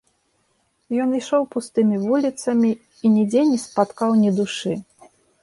Ён ішоў пустымі вуліцамі і нідзе не спаткаў ні душы.